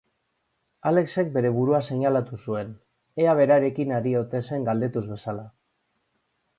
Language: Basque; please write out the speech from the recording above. Alexek bere burua seinalatu zuen, ea berarekin ari ote zen galdetuz bezala.